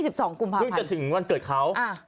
เบื้องจะถึงวันเกิดเขา